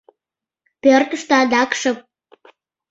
Пӧртыштӧ адак шып.